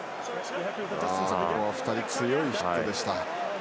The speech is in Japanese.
２人、強いヒットでした。